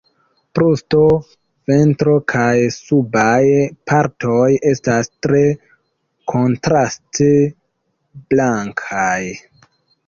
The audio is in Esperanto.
Brusto, ventro kaj subaj partoj estas tre kontraste blankaj.